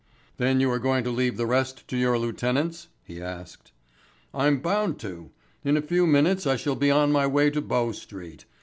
"Then you are going to leave the rest to your lieutenants?" he asked. "I'm bound to. In a few minutes I shall be on my way to Bow Street.